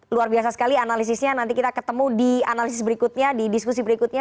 luar biasa sekali analisisnya nanti kita ketemu di analisis berikutnya di diskusi berikutnya